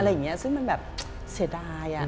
อย่างนี้ซึ่งมันแบบเสียดาย